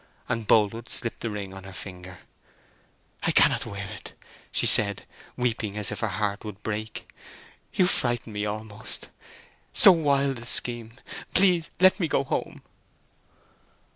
And Boldwood slipped the ring on her finger. "I cannot wear it," she said, weeping as if her heart would break. "You frighten me, almost. So wild a scheme! Please let me go home!"